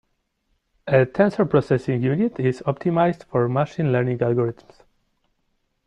A Tensor Processing Unit is optimized for machine learning algorithms.